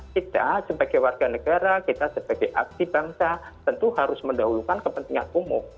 kita sebagai warga negara kita sebagai aksi bangsa tentu harus mendahulukan kepentingan umum